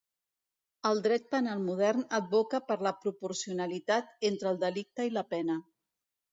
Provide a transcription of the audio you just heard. El Dret Penal modern advoca per la proporcionalitat entre el delicte i la pena.